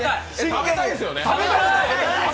食べたいですよね？